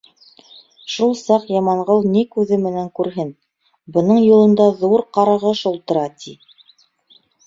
Шул саҡ Яманғол ни күҙе менән күрһен: бының юлында ҙур Ҡарағош ултыра, ти.